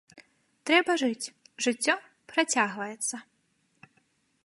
Трэба жыць, жыццё працягваецца.